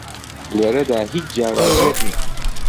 لێرەدا هیچ جیاوازییەک نییە